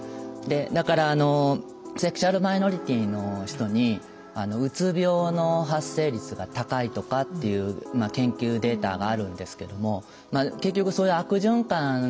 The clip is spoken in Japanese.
だからセクシュアルマイノリティの人にうつ病の発生率が高いとかっていう研究データがあるんですけども結局そういう悪循環の結果なんですね。